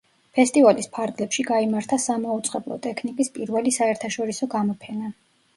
ფესტივალის ფარგლებში გაიმართა სამაუწყებლო ტექნიკის პირველი საერთაშორისო გამოფენა.